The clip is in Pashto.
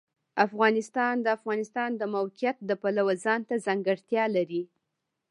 افغانستان د د افغانستان د موقعیت د پلوه ځانته ځانګړتیا لري.